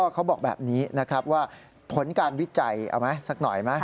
เขาบอกแบบนี้นะครับว่าผลการวิจัยเอาไหมสักหน่อยไหม